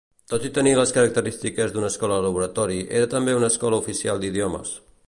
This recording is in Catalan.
Tot i tenir les característiques d'una escola laboratori era també una escola oficial d'idiomes.